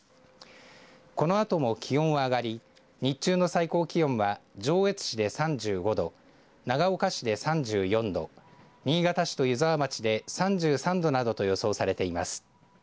このあとも気温は上がり日中の最高気温は上越市で３５度長岡市で３４度新潟市と湯沢町で３３度などと予想されています。